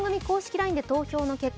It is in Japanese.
ＬＩＮＥで投票の結果